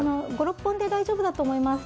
５６本で大丈夫だと思います。